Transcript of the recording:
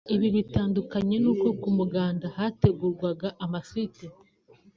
Ibi bitandukanye n’uko ku muganda hategurwaga amasite